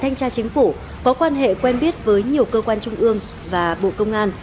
thanh tra chính phủ có quan hệ quen biết với nhiều cơ quan trung ương và bộ công an